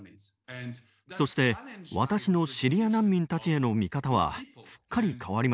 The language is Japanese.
そして私のシリア難民たちへの見方はすっかり変わりました。